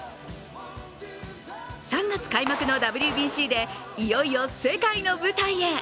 ３月開幕のＷＢＣでいよいよ世界の舞台へ。